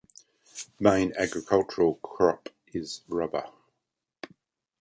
Main agricultural crop is rubber.